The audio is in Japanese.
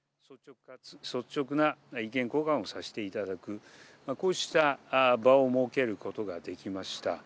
率直な意見交換をさせていただく、こうした場を設けることができました。